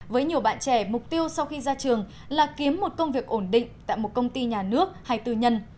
với nhiều bạn trẻ mục tiêu sau khi ra trường là kiếm một công việc ổn định tại một công ty nhà nước hay tư nhân